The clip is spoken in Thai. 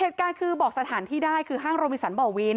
เหตุการณ์คือบอกสถานที่ได้คือห้างโรมิสันบ่อวิน